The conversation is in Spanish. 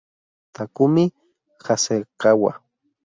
Takumi Hasegawa